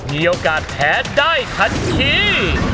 มีโอกาสแพ้ได้ทันที